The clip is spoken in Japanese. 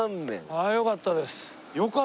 あっよかったです。